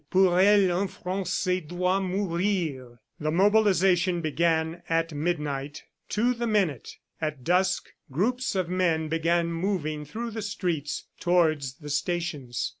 Pour elle un francais doit mourir. The mobilization began at midnight to the minute. At dusk, groups of men began moving through the streets towards the stations.